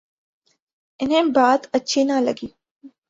انہیں بات اچھی نہ لگی۔